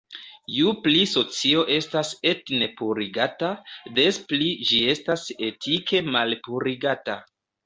Ju pli socio estas etne purigata, des pli ĝi estas etike malpurigata.